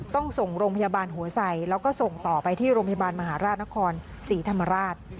ต้องส่งโรงพยาบาลหัวไสแล้วก็ส่งต่อไปที่โรงพยาบาลมหาราชนครศรีธรรมราช